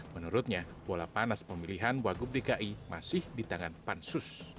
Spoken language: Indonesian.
menurutnya bola panas pemilihan wagub dki masih di tangan pansus